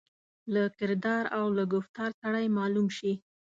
له کردار او له ګفتار سړای معلوم شي.